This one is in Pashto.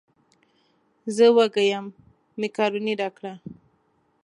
زه وږی یم مېکاروني راکړه.